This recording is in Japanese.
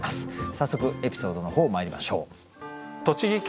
早速エピソードの方まいりましょう。